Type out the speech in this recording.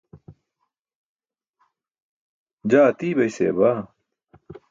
Jaa atiibay seya baa.